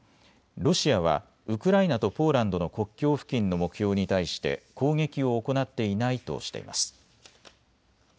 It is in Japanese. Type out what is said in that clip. ロシアはウクライナとポーランドの国境付近の目標に対して攻撃を行っていないとしています。